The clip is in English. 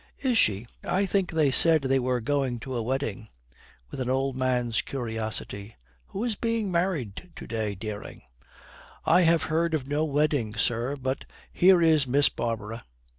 'Is she? I think they said they were going to a wedding.' With an old man's curiosity, 'Who is being married to day, Dering?' 'I have heard of no wedding, sir. But here is Miss Barbara.'